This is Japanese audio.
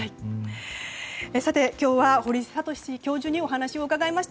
今日は堀賢教授にお話を伺いました。